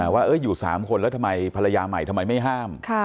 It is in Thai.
ว่าอยู่๓คนแล้วทำไมภรรยาใหม่ทำไมไม่ห้าม